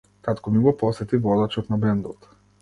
Татко ми го посети водачот на бендот.